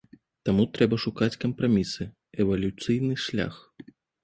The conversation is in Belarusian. Таму трэба шукаць кампрамісы, эвалюцыйны шлях.